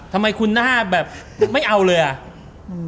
ทำไมคุณหน้าแบบไม่เอาเลยอ่ะอืม